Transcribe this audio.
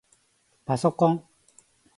パソコン